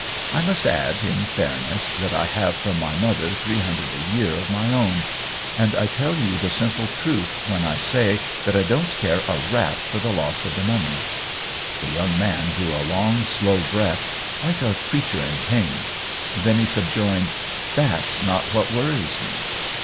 I must add, in fairness, that I have from my mother three hundred a year of my own. And I tell )'ou the simple truth when I say that I don't care a rap for the loss of the money." The young man drew a long, slow breath, like a creature in pain ; then he subjoined :" That's not what worries me